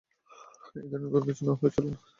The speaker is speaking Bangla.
ইদানীং নতুন কিছু না হলে চলে না।